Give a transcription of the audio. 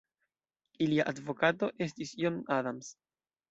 Ilia advokato estis John Adams.